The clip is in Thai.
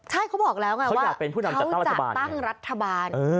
ใช่เขาบอกแล้วไงว่าเขาจะตั้งรัฐบาล